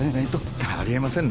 いやぁありえませんね。